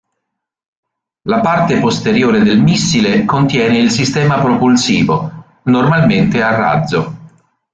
La parte posteriore del missile contiene il sistema propulsivo, normalmente a razzo.